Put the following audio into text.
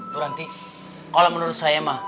turanti kalau menurut saya emang